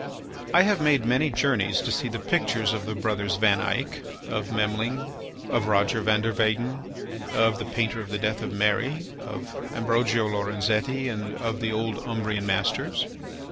I have made many journeys to see the pictures of the brothers Van Eyck, of Memling, of Roger van der Weyden, of the painter of the death of Mary, of Ambrogio Lorenzetti, and of the old Umbrian masters.